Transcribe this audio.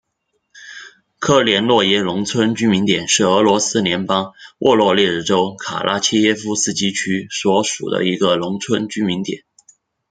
科连诺耶农村居民点是俄罗斯联邦沃罗涅日州卡拉切耶夫斯基区所属的一个农村居民点。